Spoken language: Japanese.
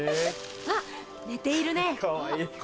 あっ寝ているね！